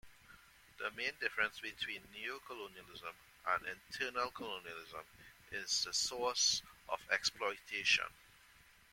The main difference between neocolonialism and internal colonialism is the source of exploitation.